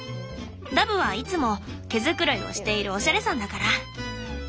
ダブはいつも毛繕いをしているおしゃれさんだから。